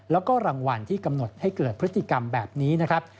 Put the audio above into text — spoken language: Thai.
แล้วก็รางวัลที่กำหนดให้เกิดพฤติกรรมแบบนี้นะครับ